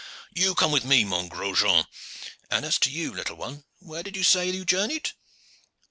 You come with me, mon gros Jean; and as to you, little one, where did you say that you journeyed?"